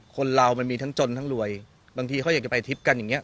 คนเรามันมีทั้งจนทั้งรวยบางทีเขาอยากจะไปทริปกันอย่างนี้